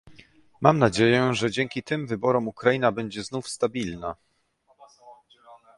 Mam, nadzieję, że dzięki tym wyborom Ukraina będzie znów stabilna